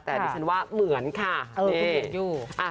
แต่ดิฉันว่าเหมือนค่ะ